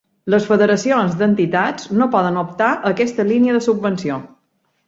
Les federacions d'entitats no poden optar a aquesta línia de subvenció.